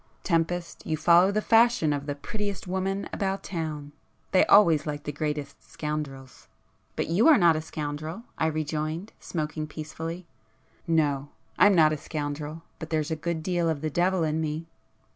"Tempest, you follow the fashion of the prettiest women about town,—they always like the greatest scoundrels!" "But you are not a scoundrel;"—I rejoined, smoking peacefully. "No,—I'm not a scoundrel, but there's a good deal of the devil in me."